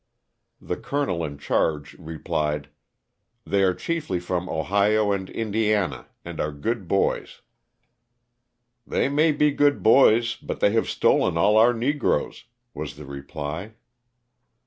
'' The colonel in charge replied, ''They are chiefly from Ohio and Indiana, and are good boys." LOSS OF THE SULTANA. 145 "They may be good boys, but they have stolen all our negroes/' was the reply.